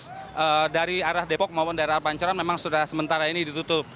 pertanyaan yang terakhir adalah dari arah depok maupun daerah pancoran memang sudah sementara ini ditutup